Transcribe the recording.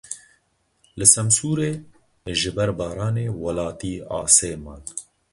Li Semsûrê ji ber baranê welatî asê man.